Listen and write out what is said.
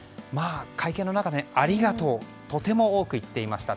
会見の中で、ありがとうをとても多く言っていました。